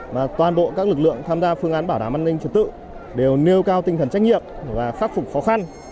mà toàn bộ các lực lượng tham gia phương án bảo đảm an ninh trật tự đều nêu cao tinh thần trách nhiệm và khắc phục khó khăn